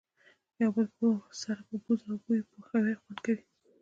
یو بل سره په پوزو او بوی پوهوي خوند کوي.